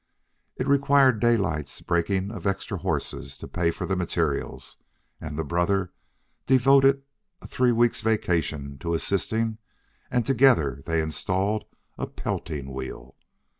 It required Daylight's breaking of extra horses to pay for the materials, and the brother devoted a three weeks' vacation to assisting, and together they installed a Pelting wheel.